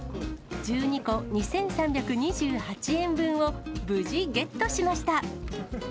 １２個２３２８円分を無事ゲットしました。